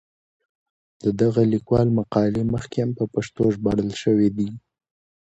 د دغه لیکوال مقالې مخکې هم په پښتو ژباړل شوې دي.